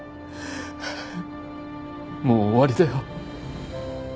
もう終わりだよ。